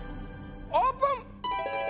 オープン！